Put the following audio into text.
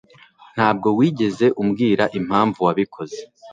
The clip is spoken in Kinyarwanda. Ntabwo wigeze umbwira impamvu wabikoze